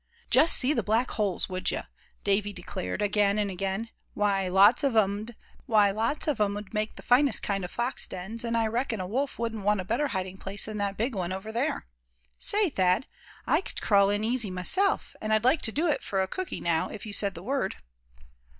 "Just see the black holes, would you?" Davy declared, again and again. "Why, lots of 'em'd make the finest kind of fox dens; and I reckon a wolf wouldn't want a better hiding place than that big one over there. Say, Thad, I c'd crawl in easy, myself, and I'd like to do it for a cooky now, if you said the word."